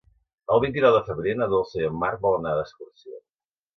El vint-i-nou de febrer na Dolça i en Marc volen anar d'excursió.